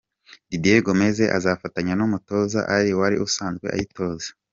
Didier Gomez azafatanya n’umutoza Ally wari usanzwe ayitoza.